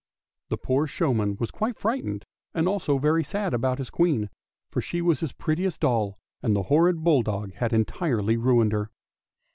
The poor showman was quite frightened and also very sad about his Queen, for she was his prettiest doll, and the horrid bulldog had entirely ruined her.